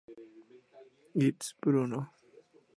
It's Bruno!